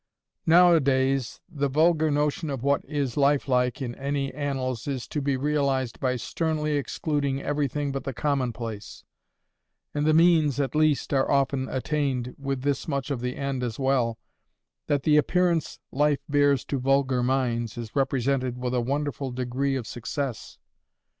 Now a days, the vulgar notion of what is life like in any annals is to be realised by sternly excluding everything but the commonplace; and the means, at least, are often attained, with this much of the end as well—that the appearance life bears to vulgar minds is represented with a wonderful degree of success.